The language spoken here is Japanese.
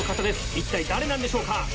一体誰なんでしょうか？